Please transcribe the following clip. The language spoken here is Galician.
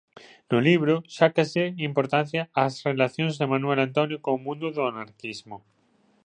No libro sácaslle importancia ás relacións de Manuel Antonio co mundo do anarquismo.